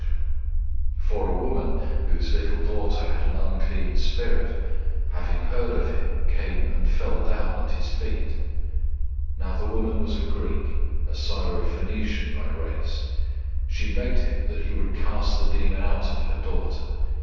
007:025 For a woman, whose little daughter had an unclean spirit, having heard of him, came and fell down at his feet. 007:026 Now the woman was a Greek, a Syrophoenician by race. She begged him that he would cast the demon out of her daughter.